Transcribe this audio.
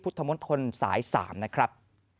พุทธมนตรสาย๓นะครับ